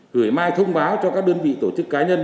gửi mai thông báo cho các đơn vị tổ chức cá nhân